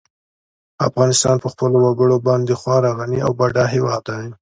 افغانستان په خپلو وګړي باندې خورا غني او بډای هېواد دی.